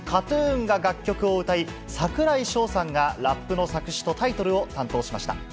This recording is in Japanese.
ＫＡＴーＴＵＮが楽曲を歌い、櫻井翔さんがラップの作詞とタイトルを担当しました。